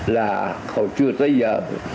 là hồi chưa tới giờ